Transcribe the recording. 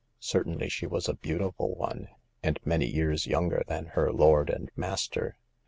Certainly she was a beautiful one, and many years younger than her lord and master.